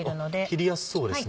切りやすそうですね。